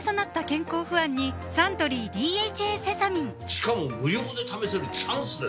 しかも無料で試せるチャンスですよ